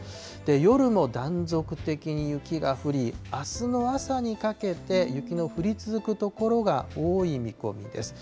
夜も断続的に雪が降り、あすの朝にかけて、雪の降り続く所が多い見込みです。